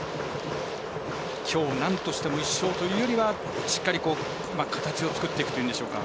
きょう、なんとしても１勝というよりはしっかり形を作っていくというんでしょうか。